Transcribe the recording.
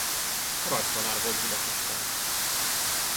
Rajztanár volt Budapesten.